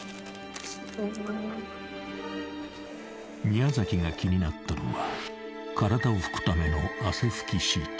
［宮が気になったのは体を拭くための汗拭きシート］